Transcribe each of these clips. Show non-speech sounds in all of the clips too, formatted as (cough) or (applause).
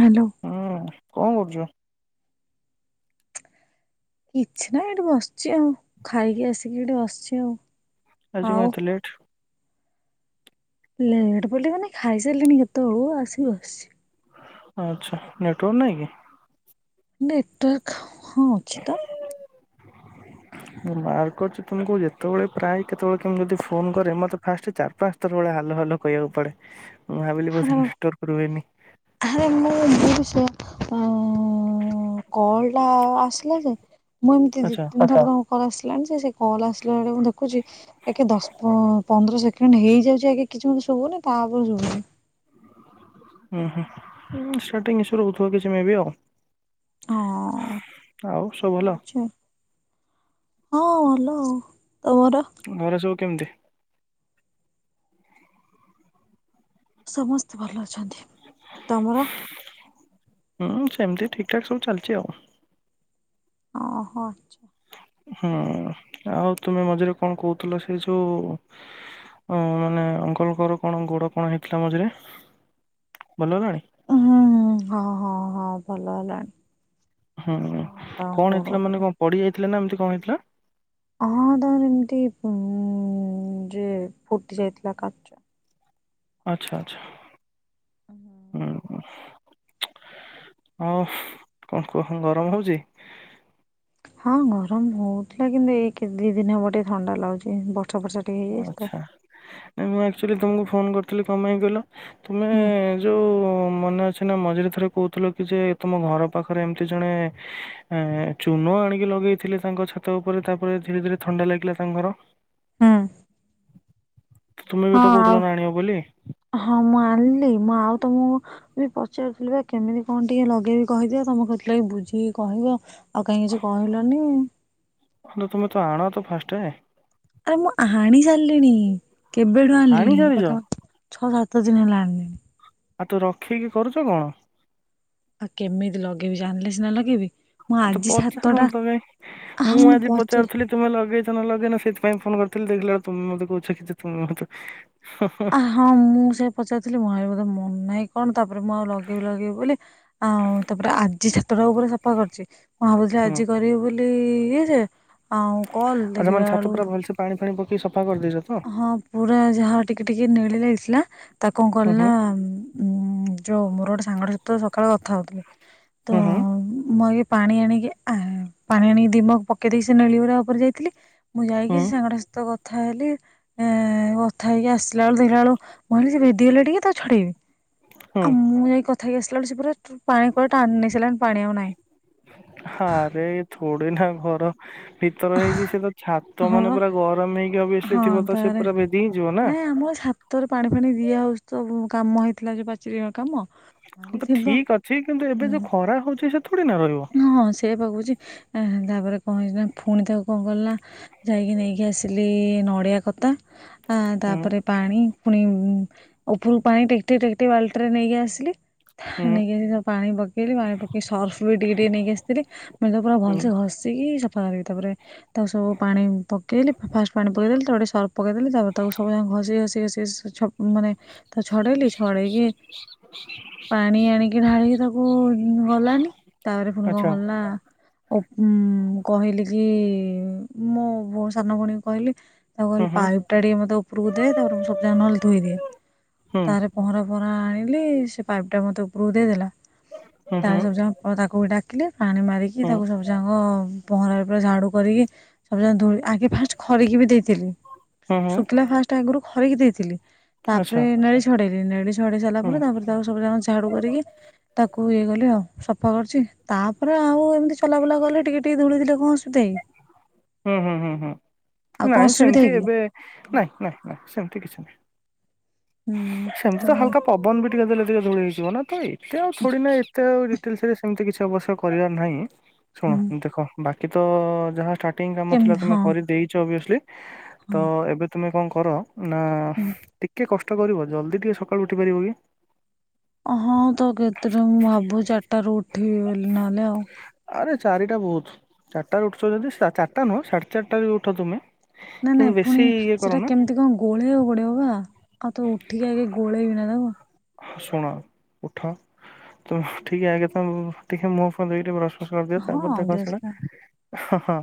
Hello ହୁଁ କଣ କରୁଛୁ? କିଛି ନା ଏଇଠି ବସିଛି ଆଉ ଖାଇକି ଆସିକି ଏଠି ବସିଛି ଆଉ ଆଜ କଣ ଆଉ ଏତେଲେଟ୍ ଲେଟ ବୋଲି ମାନେ ଖାଇ ସାରିଲଣି କେତେବେଳୁ ଆସି ବସିଛି। ଆଛା ନେଟୱାର୍କ ନାହିଁ କି? ନେଟୱର୍କ ହଁ ଅଛି ତ ମୁଁ ମାର୍କ କରଛି ତମକୁ ଯେତେବେଳେ ପ୍ରାୟ କେତେବେଳେ କେମିତି ଯଦି ଫୋନ କରେ ମତେ ଫାଷ୍ଟ ଚାରି ପାଞ୍ଚ ଥର ବେଳେ ହାଲୋ ହାଲୋ କହିବାକୁ ପଡେ ମୁଁ ଭାବିଲି ବୋଧେ (unintelligible) ନେଟୱାର୍କ ରୁହେନି ଆରେ ବିଷୟ। ହଁ ଉଁ କଲ ଟା ଆସିଲା ଯେ ମୁଁ ଏମିତି ଦି ଆଚ୍ଛା ତିନଥର କଣ। କଲ ଆସିଲାଣି ଯେ ସେ କଲ ଆସିଲା ବେଳେ ମୁଁ ଦେଖୁ ରଖୁଛି ଏକେ ଦଶ (unintelligible) ପନ୍ଦର ସେକେଣ୍ଡ ହେଇଯାଉଛି ଆଗେ କିଛି ଭି ଶୁଭୁନି ତାପରେ ଯଉ। ଉହୁଁ ଷ୍ଟାର୍ଟିଂ ଈସୁ ରହୁଥିବ କିଛି ମେବି ଆଉ। ହଁ ଆଉ ସବୁ ଭଲ। ରହୁଛି ହଁ ଭଲ। ତମର। ଘରେ ସବୁ କେମିତି। ସମସ୍ତେ ଭଲ ଅଛନ୍ତି। ଅଛନ୍ତି ତମର। ହୁଁ ସେମିତି ଠିକ୍ ଠାକ୍ ସବୁ ଚାଲିଛି ଆଉ। ଓହୋ ଛ, ହୁଁ ଆଉ ତୁମେ ମଝିରେ କଣ କହୁଥିଲ ସେ ଯୋଉ ଅ ମାନେ ଅଙ୍କଲଙ୍କର କଣ ଗୋଡ କଣ ହେଇଥିଲା ମଝିରେ ଭଲହେଲାଣି। ହୁଁ ହୁଁ ହଁ ହଁ ହଁ ଭଲ ହେଲାଣି। ହୁଁ ହଁ ତାଙ୍କ କଣ ହେଇଥିଲା ମାନେ ଗୋଡ଼ରେ କଣ ପଡି ଯାଇ ଥିଲା ନା ଏମିତି କଣ ହେଇଥିଲା। ହଁ ତାଙ୍କର ଏମିତି ଉଁ ଯେ ଫୁଟି ଯାଇଥିଲା କାଚ ଆଚ୍ଛା ଆଚ୍ଛା ଓହୋ। ହଉ କଣ କୁହ ଗରମ ହଉଚି? ହଁ ଗରମ ହଉଥିଲା କିନ୍ତୁ ଏଇ କେ ଦି ଦିନି ହବ ଟିକେ ଥଣ୍ଡା ଲାଗୁଛି ବ ଓ ଆଚ୍ଛା ଏ ନୂଆ ଆକ୍ଚୁଲି ତୁମକୁ ଫୋନ କରିଥିଲି କଣ ପାଇଁ କହିଲ ତମେ ହୁଁ ଯୋଉ ଉଁ ମନେ ଅଛି ନା ମଝିରେ ଥରେ କହୁଥିଲ କି ଯେ ତମ ଘର ପାଖରେ ଏମିତି ଜଣେ ଏ ଚୁନ ଆଣିକି ଲଗେଇଥିଲେ ତାଙ୍କ ଛାତ ଉପରେ ତାପରେ ଧୀରେ ଧୀରେ ଥଣ୍ଡା ଲାଗିଲା ତାଙ୍କ ଘର। ହୁଁ ବି ତ ହଁ କହୁଥିଲ ଆଉ ନା ଆଣିବ ବୋଲି ହଁ ମୁଁ ଆଣିଲି ମୁଁ ଆଉ ତମୁକୁ ବି ପଚାରୁଥିଲି ବା କେମିତି କଣ ଟିକେ ଲଗେଇବି କହି ଦିଅ ତମେ କହି ଥିଲ କି ବୁଝିକି କହିବ ଆଉ କାହିଁ କିଛି କହିଲନି। ହଁ, ତ ତୁମେ ଆଣ ତ ଫାଷ୍ଟେ। ଆରେ ମୁଁ ଆଣି ସାରିଲିଣି। କେବେଠୁ ଆଣି ଆଣିଲିଣି ସାରିଛ। ପାଖା ଛଅ ସାତ ସାତ ଦିନି ହେଲା ଆଣିଲିଣି। ଆଉ ତ ରଖିକି କରୁଛ କଣ। ଆଉ କେମିତି ଲଗେଇବି ଜାଣିଲେ ସିନା ଲଗେଇବି। ମୁଁ ଆଉ ତ ଆଜି ପଚାରୁ ନ ସାତଟା ଥିଲ ତ କାଇଁ ଆହା ମୁଁ ଆଜି ପଚାରି ପଚାରୁଥିଲି ତୁମେ ଲଗେଇଚ ନା ଲଗେଇନ ସେଥିପାଇଁ ଫୋନ କରିଥିଲି ଦେଖିଲା ବେଳୁ ତୁମେ ମତେ କହୁଛ କି ତୁମେ ମତେ ଆ ହଁ ମୁଁ ସେୟା ପଚାରୁଥିଲି ମୁଁ ଭାବିଲି ବୋଧେ ମୁଁ ନାଇଁ କଣ ତାପରେ ମୁଁ ଆଉ ଲଗେଇବି ଲଗେଇବି ବୋଲି ଆଉ ତାପରେ ଆଜି ଛାତଟା ଉପରେ ସଫା କରିଛି ମୁଁ ଭାବୁଥିଲି ହଁ ଆଜି କରିବି ବୋଲି ଇଏ ଯେ ଆଉ କଲ ଆଚ୍ଛା ମାନେ ଦେଖିଲା ଛାତ ବେଳୁ ପୁରା ଭଲସେ ପାଣି ଫାଣି ପକେଇକି ସଫା କରିଦେଇଛ ତ? ହଁ ପୁରା ଯାହା ଟିକେ ଟିକେ ନୀଳି ଲାଗି ଥିଲା। ତାକୁ କଣ ହୁଁ କଲି ହୁଁ ନା ଉଁ ଯୋଉ ମୋର ଗୋଟେ ସାଙ୍ଗ ଟେ ସହିତ ସକାଳେ କଥା ହଉଥିଲି ତ ହୁଁ ହୁଁ ମୁଁ ଆଗେ ପାଣି ଆଣିକି ଆ ପାଣି ଆଣିକି ଦି ମଗ ପକେଇ ଦେଇ ସେ ନେଳି ଗୁରା ଉପରେ ଯାଇଥିଲି ମୁଁ ଯାଇକି ହୁଁ ସେ ସାଙ୍ଗଟା ସହିତ କ ଥାଲେ ଏ କଥା ହେଇକି ଆସିଲା ବେଳ ଦେଖିଲା ବେଳୁ ମହିଲ ଯ ଭେଦିଗଲେ ଟିକେ ତାକୁ ଛଡେଇବି ହୁଁ ଆଉ ମୁଁ ଯାଇ କଥା ହେଇ ଆସିି ଳୀୁରା (unintelligible) ପାଣି କୁଆ ଟାଣିି ନେସାଲାଣି ପାଣି ଆଉ ନାଇଁ ପୁଡିନା ଘର ଭିତର ହେଇଛି ସେ ତ ଛାତ ହଁ ମାନେ ବା ପୁରା ଗରମ ହେଇକି ଅବୁଅସଲି ହଁ ଥିବ ତ ସେ ତାରେ ପୁରା ଭେଦି ହେଇଯିବ ନା ନାଇଁ ଆମର ଛାତରେ ପାଣି ଫାଣି ଦିଆ ହଉଛି ତ ବୁ କାମ ହେଇଥିଲା ଯୋଉ ପାଚେର ହକା କାମ ହଁ କହିଲି ତ ଥିବ ଠିକ୍ ଅଛି କିନ୍ତୁ ହୁଁ ଏବେ ଯୋଉ ଖରା ହଉଛି ସେ୍ ହଁ ସେ ଭବୁଛି ଏ ହେ ତାପରେ କଣ ହେଇଛି ନା ଫୁଣି ତାକୁ କଣ କଲି ନା ଯାଇକି ନେଇକି ଆସିଲି ନଡ଼ିଆ କତା ଆ ହୁଁ ତାପରେ ପାଣି ପୁଣି ଉ ହଁୁ ଉପରକୁ ପାଣି ଟେକ୍ଟି ଟେକ୍ଟି ବାଲଟିରେ ନେଇକି ଆସିଲି ହୁଁ ନେଇକି ସଵ୍ ପାଣି ପକେଇଲି ପାଣି ପକେଇି ସର୍ଫ ମୁଁ ବି ଟିକେ ଟିକେ ନେଇକି ଆସିଥିଲି ମୁଁ ତ ପୁରା ହୁଁ ଭଲସେ ଘଷିକି ସଫା କରି ତାପରେ ତାକୁ ସବୁ ପାଣି ପକେଇଲି ଫାଷ୍ଟ ପାଣି ପକେଇଦେଲି ତାେ ସର୍ଫ ପକେଇଦେଲି ତାପରେ ତାକୁ ସବୁଜାଙ୍ଗା ଘଷି ଘସି ଘଷି ସ୍ ମାନେ ତା ଛଡେଇଲି ଛଡେଇକି ପାଣି ଆଣିକି ଢାଳି ତାକୁ ଗଲାନି ତା ପରେ ପୁଣି କଣ ଆଚ୍ଛା କଲି ନା ଉପ୍ ମୁଁ ମୁଁ କହିଲି କି ମୋ ସାନ ଭଉଣୀ କହିଲି ତାକୁ ହୁଁ କହିଲି ହୁଁ ପାଇପ୍ ଟା ଟିକେ ମେ ଉପରକୁ ଦେ ତାପରେ ମୁଁ ସବୁ ଜାଙ୍ଗ ନହଲେ ଧୋଇଦିଏ ହୁଁ ତାର ପହଁରା ମରା ଆଣିଲି ସେ ପାଇପ୍ ଟା ମୋତେ ଉପରୁକୁ ଦେଇଦେଲା। ହୁଁ ତା ହୁଁ ସବ ଯାଙ୍ଗ୍ ତାକୁ ଡାକିଲେ ପାଣି ମାରିକି ହୁଁ ତାକୁ ସବୁ ଯାଙ୍ଗ ଅ ପହଁରା ପୁରା ଝାଡୁ କରିକି ସବୁ ଜ ଧୂଳି ଆଗେ ଫାଷ୍ଟ ଖରିକି ବି ଦେଇଥିଲି ହୁଁ ହୁଁ ଶୁଖିଲା ଫାଷ୍ଟ ଆଗରୁ ଉ ଖରିକି ଦେଇଥିଲି। ଆଚ୍ଛା ତାପରେ ନେଳି ଝଡେଇଲି୍ (inaudible) ଝାଡି ସାରିଲା ହୁଁ ପରେ ତାପରେ ତାକୁ ସବୁ ଜଣ ଝାଡୁ କରିକି ତାକୁ ଇଏ କଲି ଆଉ ଫ କରଛି ତାପରେ ଆଉ ଏମିତି ଚଲାବୁଲା କଲେ ଟିକେ ଟିକେ ଧୁ ଦେଥିଲେ କଣ? ଛ ଦେଇ ହୁଁ ହୁଁ ହୁଁ ହୁଁ ନାଇଁ ଅସୁବିଧା ସେମିତି କି ଏବେ ନାଇଁ ନାଇଁ ନାଇଁ ସେମିତି କିଛି ନାଇଁ ସେମିତି ତ ହାଲକା ପବନ ବି ଟେ ଦେଲେ ଟିକେ ଧୂଳି ହେଇଯିବ ନା ତ ଏତେ ଆଉ ଏତେ ଆଉ ମିତି କିଛି ଅବର କରାର ନାହିଁ। ଶୁଣ ହୁଁ ଦେଖ ବାକି କି ତ ଯାହାଷ୍ଟାର୍ ଟିଂ କାମ ଥିଲା କେମିତି ତମେ ହଁ କରିଦେଇଛ ଅଭିଅସଲି ତ ହଁ ଏବେ ତୁମେ କଣ? କର ନା ହୁଁ ଟିକେ କଷ୍ଟ କରିବ ଜଲ୍ଦି ଟିକେ ସକାଳୁ ଉଠି ପାରିବ କି? ହଁ ତ କେଥିରେ ମୁଁ ଭାବୁ ଚାରିଟ ର ଉଠିବି ବୋଲି ନହେଲେ ଆଉ ଆରେ ଚାରିଟା ବହୁତ ଚାରିଟାରେ ଉଠଛ ଯଦି ଚାରିଟା ନୁହଁ ସାଢେ ଚାରିଟା ବି ଉଠ ତୁମେ ନାଇ କିନ୍ତୁ ନାଇଁ ପୁଣି ବେଶୀ ଇଏ ସେଟା କରନା। କେମିତି କଣ ଗୋଳେଇବାକୁ ପଡିବ ବା ଆଉ ତ ଉଠିକି ଆଗେ ଗୋଳେଇବି ନା ତ ହ ଶୁଣ ଉଠା ତମେ ଠିକେ ଆଜ ତମ ଟିକେ ମୁହ ଫ ଦେଇ ପରା ଖସଣା ଦି ହଁ ତାପରେ ତା ଅଭ୍ୟାସ ଟା ଖସଣା ହଁ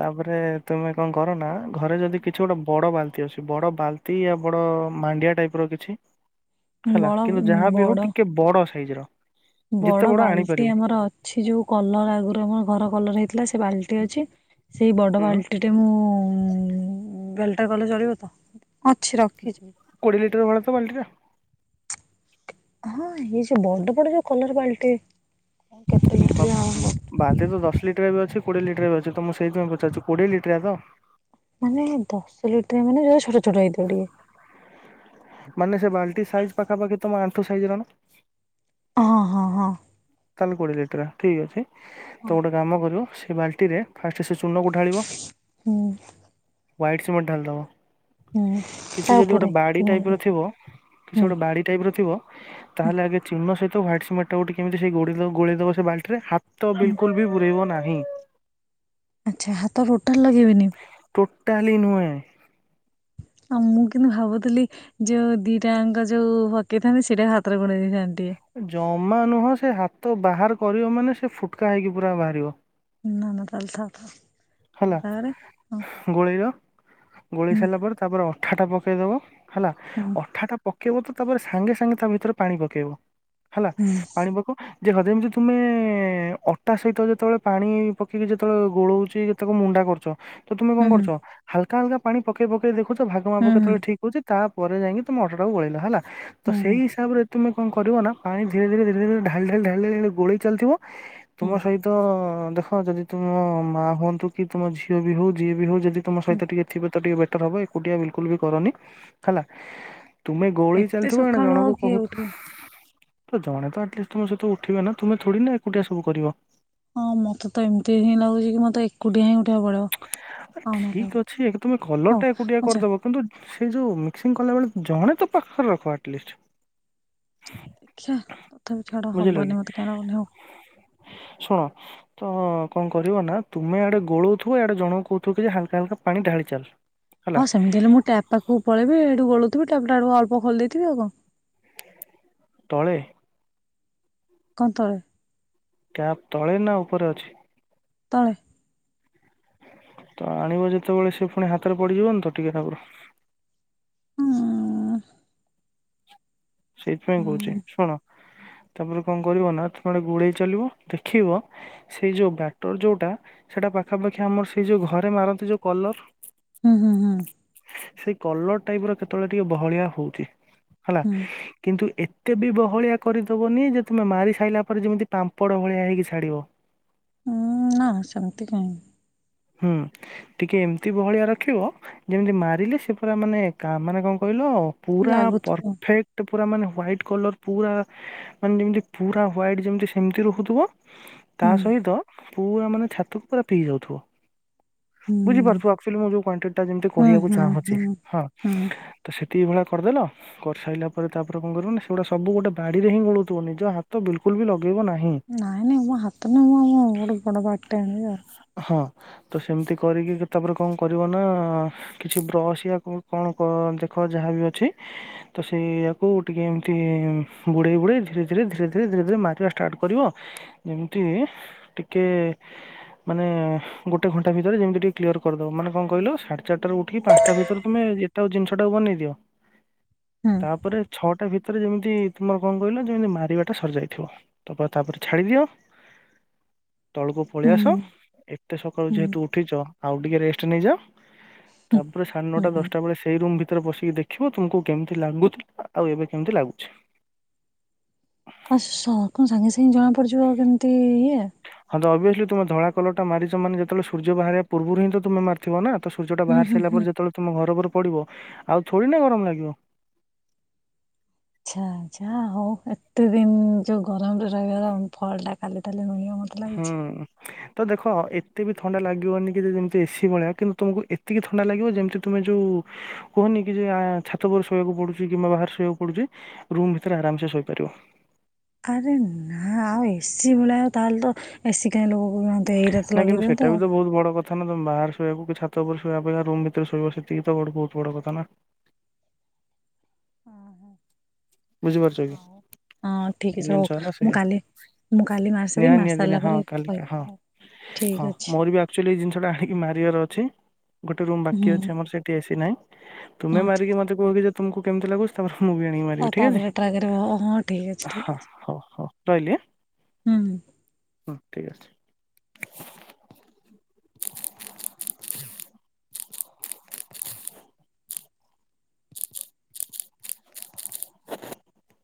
ତାପରେ ତମେ କଣ କର ନା ଘରେ ଯଦି କିଛି ଗୋଟେ ବଡ ବାଲ୍ଟି ଅଛି ବଡ ବାଲ୍ଟି ବଡ ମାଣ୍ଡିଆ ଟାଇପ ର କିଛି ହେଲା ବଳ କିନ୍ତୁ ଯାହାବ ହଉ ବଡ ଟିକେ ବଡ। ଖଇଜ ର। ଯେତେ ବଡ ବାଲ୍ଟି ଆଣିପାରିବ ଆମର ଅଛି ଯୋଉ କଲର ଆଗରୁ ଆମର ଘର କଲର ହେଇଥିଲା ସେ ସେ ବାଲ୍ଟି ଅଛି ସେଇ ବଡ଼ ହୁଁ ବାଲ୍ଟିଟେ ମୁଁ ଉ ବେଲଟା ଗଲେ ଚଳିବ ତ। ଅଛି ରଖିଛି। କୋଡିଏ ଲିଟର ଭଳ ତ ବାଲଟିରୋ ହଁ ଏଇ ଯୋଉ ବଡ ବଡ ଯୋଉ କଲର ବାଲଟି। ବାନ୍ତି ତ ଦଶ ଲିଟର ବି ଅଛି। କୋଡିଏ ଲିଟରରେ ଅଛି ତ ମୁଁ ସେଇଥିାଇଁ ପଚାରୁଛି କୋଡିଏ ଲିଟରଆ ତ। ମାନେ ଦଶ ଲୁଟ ମାନେ ଯ ଛୋଟ ଛୋଟ ହେଇଥିବ ଟିକେ। ମାନେ ସେ ବାଲ୍ଟି ସାଇଜ ପାଖାପାଖି ତମ ଆଣ୍ଠୁ ସାଇଜ ର ନା ହଁ ହଁ ହଁ। ତାେ କରି ଦେ ଠିକ ଅଛି। ତ ଗୋଟେ କାମ କରିବୁ ସେ ବାଲ୍ଟିରେ ଫାଷ୍ଟ୍ ସେ ଚୂର୍ଣକୁ ଢାଳିବ। ହୁଁ। ୱାଇଟ ସିମେଣ୍ଟ ଢାଳିଦବ। ହୁଁ ତା କିଛି ଯଦି ଗୋଟେ ଉପରେ ବାଡି ଚୂନ ଟାଇପ ର ଉପରେ ଥିବ କିଛି ହୁଁ। ଗୋଟେ ବାଡି ଟାଇପ ର ଥିବ ହୁଁ ତାହେଲେ ଆଗେ ଚିହ୍ନ ସହିତ। ତ ହ୍ୱଟ ସିମେଣ୍ଟଟାକୁ ଟିକେ ଏମତି ସେ ଗୋଳି ଦେବ ସେ ବାଲଟିରେ ହ। ତ ହୁଁ। ବିଲକୁଲ ବି ବୁରୀ ହ ନାହି। ହୁଁ। ଆଚ୍ଛା ହାତ ଟୋଟାଲ ଲଗେଇବେନି। ଟୋଟାଲି ନୁହେଁ ଆଉ ମୁଁ କିନ୍ତୁ ଭାବୁଥିଲି ଯୋଉ ଦିଟାଙ୍କ ଯୋଉ ପକେଇଥାନ୍ତି ସେଇଟା ହାତରେ ଗୁରେଇ ଦେଇଥାନ୍ତି। ଟିକେ। ଜମା ନୁହଁ ସେ ହାତ। ତ ବାହାର କରିବ ମାନେ ସେ ଫୁଟକା ହେଇକି ପୁରା ବାହାରିବ। ନା ନା ତାହାଲେ ଥାଉ। ହେଲା ଗୋଳେଇଲ ଗୋଳେଇ ସାରିଲା ପରେ ତାପରେ। ହେଟା ପକେଇ ଦେବ। ହେଲା ଅଠାଟା ପ। କେବଳ ତ ତାପରେ ସାଙ୍ଗେ ସାଙ୍ଗେ ତା ଭିତରେ ପାଣି ପକେଇବ। ହେଲା ପାଣିିବାକୁ। ଦେଖ ଯେମିତି ତୁମେ ଅଟା ସହିତ ଯେତେବେଳେ ପାଣି ପକେଇକି ଯେତେବେଳେ ଗୋଳଉଛି। ତାକୁ ମୁଣ୍ଡା କରୁଛ। ତୁମେ କଣ କରଛ। ହାଲ୍କା ହାଲ୍କା ପାଣି ପକେଇ ପକେଇ ଦେଖୁ। ଛ ଭାଗ ମାପ କେତେବେଳେ ଠିକ ହଉଛି ତା ପରେ ଯାଇକି ତମ ଅଟାକୁ ଗୋଳେଇଲ ହେଲା ତ ସେଇ ହିସାବରେ ତୁମେ କଣ କରିବ ନା ପାଣି ଧୀରେ ଧରେ ଧୀରେ ଢାଳି ଢାଳି ଗୋଳେଇ ଚାଲିଥିବ ତୁମ ସହିତ ଦେଖ ଯଦି ତୁମ ମା ହୁଅନ୍ତୁ କି ତମ ଝିଅ ବି ହଉ ଯିଏ ବି ହଉ ଯଦି ତମ ସହି ଟେ ଥିବ ତ ଟିକେ ହବ ଏକୁଟିଆ ବିଲକୁଲ ବି କରନି ହେଲା। ତୁମେ ଗୋଳେଇ ଚାଲିଥିବ ୟାଡେ ସକାଳୁ ଆଉ ଜଣକୁ କିଏ କହୁ ଉଠିବ ତ ଜଣେ ତ ଆଟଲିଷ୍ଟ ତମ ସହିତ ଉଠିବେ ନା ତୁମେ ଥୋଡି ନା ଏକୁଟିଆ ସବୁ କରିବ ହଁ ମତେ ତ ଏମିତି ହିଁ ଲାଗୁଛି କି ମତେ ଏକୁଟିଆ ହିଁ ଉଠିବାକୁ ପଡିବ ଆ ଆଉ ନହେଲେ ହବନି ଠିକ ଅଛି ତମେ କଲର ହଉ ଟା ଏକୁଟିଆ ଆଚ୍ଛା କରିଦବ କିନ୍ତୁ ସେଇ ଯୋଉ ମିକ୍ସିଂ କଲା ବେଳେ ଜଣେ ତ ପାଖରେ ରଖ ଆଟଲିଷ୍ଟ ଦେଖିଆ ତ ଛାଡ ବୁଝିଲ କି ହବନି ମତେ କାଇଁ ଶୁଣ ତ କଣ କରିବ ନା ତୁମେ ଆଡ ଗୋଳଉଥିବ ଆଡେ ଜଣ କହୁଥିବ କି ଯେ ହାଲକା ହାକା ପାଣି ଢାଳି ଚାଲ। ହଁ ହେଲା ସେମିତି ହେଲେ ମୁଁ ଟାପ ପାଖକୁ ପଳେଇବି ଏଇଠୁ ଗୋଳୁ ତ ଟ୍ୟାପ ଟାକୁ ଅଳ୍ପ ଖୋଲି ଦେଇଥିବ ଆଉ ତଳେ କଣ ତଳେ ଟ୍ୟାପ ତଳେ ନା ଉପରେ ଅଛି। ତଳେ ତ ଆଣିବ ଯେତେବେଳେ ସେ ପୁଣି ହାତରେ ପଡିଯିବନି ତ ଟିକେ ନଗୁରୁ ଉଁ ସେଇଥିପାଇଁ କହୁଛି। ହୁଁ ଶୁଣ ତାପରେ କଣ କରିବ ନା ତମେଡେ ଗୋଳେଇ ଚାଲିବ ଦେଖିବ ସେଇ ଯୋଉ ବଟର ଯୋଉଟା ସେଇଟା ପାଖାପାଖି ଆମର ସେଇ ଯୋଉ ଘରେ ମାରନ୍ତି ଯୋଉ କଲର ହୁଁ ହୁଁ ହୁଁ ସେଇ କଲର ଟାଇପ ର କେତେବେଳେ ଟିକେ ବହଳିଆ ହଉଛି। ହୁଁ, କିନ୍ତୁ ଏ କେତେ ବି ବହଳିଆ କରିଦବନି ଯେ ତୁମେ ମାରି ସାରିଲା ପରେ ଯେମିତି ପାମ୍ପଡ଼ ଭଳିଆ ହେଇକି ଛାଡ଼ିବ। ଉୁଁ ନା ସେମିତି କହିଁ ହୁଁ ଟିକେ ଏମିତି ବହଳିଆ ରଖିବ ଯେମିତି ମାରିଲେ ସେ ପୁରା ମାନେ କା ମାନେ କଣ କହିଲ ପୁରା ଲାଗୁଥିବ ପରଫେକ୍ଟ ପୁରା ମାନେ ହ୍ୱାଇଟ୍ କଲର ପୁରା ମାନେ ଯେମିତି ପୁରା ହ୍ୱାଇଟ୍ ଯେମିତି ସେମିତି ରହୁଥିବ ତା ହୁଁ ସହିତ ପୁରା ମାନେ ଛାତକୁ ପୁରା ପିଇ ଯାଉଥିବ। ହୁଁ ବୁଝିପାରୁଛ ଆଉଚ୍ୟାଲିଚ ମୁ କ୍ୱାଣ୍ଟିଟି ଟା ଯେମିତି ହୁଁ କହିବାକୁ ହୁଁ ଚାହୁଁଛି। ହୁଁ ହଁ ହୁଁ ତ ସେତିକି ଭଳିଆ କରିଦେଲ। କରିସାରିଲା ପରେ ତାପରେ କଣ କରିବନ ସେଗୁଡ଼ା ସବୁ ଗୋଟେ ବାଡ଼ିରେ ହିଁ ଗୋଳଉଥିବ ନିଜ ହାତ ବିଲକୁଲ ବି ଲଗ ନାଇଁ ନାଇଁ ମୋ ହାତ ନୁହ (inaudible) ମୋର ବଡ଼ ବାଡି ଟେ ଆଣିବି ଆଉ। ହଁ ତ ସେମିତି କରିକି ତାପରେ କଣ କରିବ ନା କିଛି ବ୍ରସ୍ ୟା କଉ କଣ କ ଦେଖ ଯାହାବି ଅଛି ତ ସେ ୟାକୁ ଟିକେ ଏମିତି ବୁଡେଇ ବୁଡେଇ ଧୀରେ ଧୀରେ ଧୀରେ ଧୀରେ ଧୀରେ ଧୀରେ ମାରିବା ଷ୍ଟାର୍ଟ କରିବ ଯେମିତି ଟିକେ ମାନେ। ଗୋଟେ ଘଣ୍ଟା ଭିତରେ ଯେମିତି ଟିକେ କ୍ଲିୟର କରିଦବ ମାନେ କଣ କହିଲ ସାଢେ ଚାରିଟାରୁ ଉଠିକି ପାଞ୍ଚଟା ଭିତରେ ତମେ ଏଟାକୁ ଜିନିଷଟା ବନେଇ ଦିଅ। ତାପରେ। ଛଅଟା ଭିତରେ ଯେମିତି ତମର କଣ କହିଲ ଯେମତି ମାରିବା ଟା ସରିଯାଇଥିବ ତ ତାପରେ ଛାଡି ଦିଅ। ତଳକୁ ହୁଁ ପଳେଇଆସ ହୁଁ ଏ ଏତେ ସକାଳୁ ହୁଁ ଯେହେତୁ ଉଠିଛ ଆଉ ଟିକେ ରେଷ୍ଟ ନେଇଯାଅ ହୁଁ ତାପରେ ସାଢ଼େ ହୁଁ ନଅଟା ହୁଁ ଦଶଟା ବେଳେ ସେଇ ରୁମ ଭିତରେ ପଶି ଟିକେ ଦେଖିବ ତୁମକୁ କେମିତି ଲାଗୁଥିଲା ଆଉ ଏବେ କେମିତି ଲାଗୁଛି। (inaudible) କସ କଣ ସାଙ୍ଗେ ସାଙ୍ଗେ ଜଣା ପଡିଯିବ ଆଉ କେମିତି ଇ ହଁ ତ ଅଭିୟସଲି ତୁମେ ଧଳା କଲର ଟା ମାରିଚ ମାନେ ଯେତେବେଳେ ସୂର୍ଯ୍ୟ ବାହାରିବା ପୂର୍ବରୁ ହିଁ ତ ତୁମେ ମାରିଥିବ ନା। ସୂର୍ଯ୍ୟ ଟା ହୁଁ ବାହାରି ହୁଁ ସାରିଲା ହୁଁ ପରେ ଯେତେବେଳେ ତମ ଘର ଉପର ପଡ଼ିବ। ଆଉ ଥୋଡି ନା ଗରମ ଲାଗିବ। ଆଚ୍ଛା ଆଚ୍ଛା ହ ହଉ ଏତେ ଦିନ ଯୋଉ ଗରମରେ ରହିବାର ଫଳଟା କାଲି ତାହାଲେ ମିଳିବ। ମତେ ଲାଗୁଛି। ହୁଁ। ତ ଦେଖ ଏତେ ବି ଥଣ୍ଡା ଲାଗିବନି କି ଯେ ଯେମିତି ଏସି ଭଳିଆ କିନ୍ତୁ ତୁମକୁ ଏତିକି ଥଣ୍ଡା ଲାଗିବ ଯେମିତି ତୁମେ ଯୋଉ କୁହନି କି ଯେ ଆ ଛାତ ଉପରେ ଶୋଇବାକୁ ପଡୁଛି କିମ୍ବା ବାହାରେ ଶୋଇବାକୁ ପଡୁଛି ରୁମ୍ ଭିତରେ ଆରାମସେ ଶୋଇପାରିବ। ଆରେ ନା ଆଉ ଏସିି ଭଳିଆ ଆଉ ତାହେଲେ ତ ଏସି କାହିଁ ଲଗଉ (unintelligible) ଏଇରା ତ ନା ଲଗେଇ କିନ୍ତୁ ସେଟା ଦିଅନ୍ତ। ବି ତ ବହୁତ ବଡ କଥା ନା ତମେ ବାହାରେ ଶୋଇବାକୁ କି ଛାତ ଉପରେ ଶୋଇବା ଅପେକ୍ଷା ରୁମ ଭିତରେ ଶୋଇବା ସେତିକି ତ ବଡ ବହୁତ ବଡ କଥା ନା। ବୁଝିପାରୁଛ କି? ହଉ ହଁ ଠିକ ଏ ଅଛି ହଉ ଜିନିଷ ହେଲା ମୁଁ ସେଇଆ କାଲି ମୁଁ କାଲି ମାରିସାରେ ନିହାତି ନିହାତି ମାରିସାରିଲା ନିହା ହଁ ପରେ କାଲିକା ହଁ କହିବି ହଉ ଠିକ ଅଛି। ସେଟା ହେଇ ମାରିବାର ଅଛି। ଗୋଟେ ରୁମ୍ ବାକି ହୁଁ। ଅଛି ଆମର ସେଠି ଏସି ନାହିଁ। ତୁମେ ଆଚ୍ଛା ଆଚ୍ଛା ମାରିକି ମତେ କୁହ କି ଯେ ତୁମକୁ କେମତି ଲାଗୁଛି ତମର ମୁଁ ବି ଆଣିକି ମାରିବି। ଆଉ ଠିକ୍ ଅଛି ତାପରେ ଟ୍ରାକରେ ହଁ ହଁ ଠିକ୍ ଅଛି ଠିକ୍ ହଁ ଅଛି। ହଉ ହଉ ରହିଲି ଆଁ। ହୁଁ ହୁଁ। ହୁଁ ଠିକ ଅଛି। (inaudible) (inaudible) (inaudible)